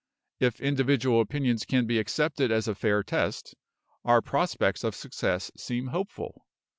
If individual opinions can be accepted as a fair test, our prospects of success seem hopeful.